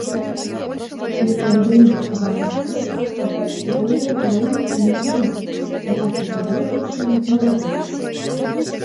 Некалі вялікі і важны порт цяпер абслугоўвае галоўным чынам турыстаў, яго грузавое значэнне малазначнае.